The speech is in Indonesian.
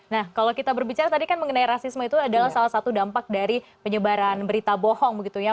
nah kalau kita berbicara tadi kan mengenai rasisme itu adalah salah satu dampak dari penyebaran berita bohong begitu ya